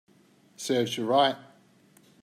Serves you right